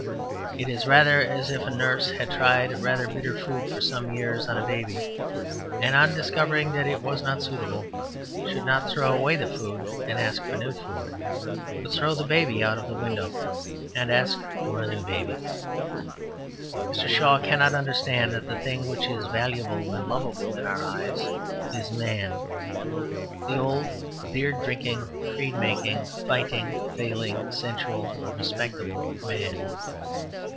It is rather as if a nurse had tried a rather bitter food for some years on a baby, and on discovering that it was not suitable, should not throw away the food and ask for a new food, but throw the baby out of window, and ask for a new baby. Mr. Shaw cannot understand that the thing which is valuable and lovable in our eyes is man the old beer drinking, creed making, fighting, failing, sensual, respectable man.